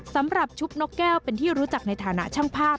ชุบนกแก้วเป็นที่รู้จักในฐานะช่างภาพ